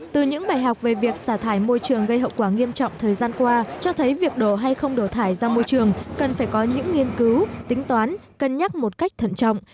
từ những bài học về việc xả thải môi trường gây hậu quả nghiêm trọng thời gian qua cho thấy việc đổ hay không đổ thải ra môi trường cần phải có những nghiên cứu tính toán cân nhắc một cách thận trọng